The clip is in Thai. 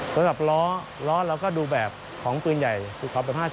สำหรับล้อล้อเราก็ดูแบบของปืนใหญ่ภูเขาเป็น๕๐